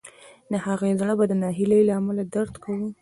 د هغې زړه به د ناهیلۍ له امله درد کاوه